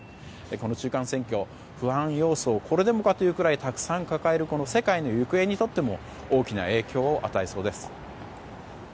この中間選挙、不安要素をこれでもかというぐらいたくさん抱えるこの世界の行方にとっても大きな影響を与えそうです。